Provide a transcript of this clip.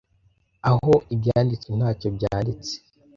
aho ibyanditswe ntacyo byanditse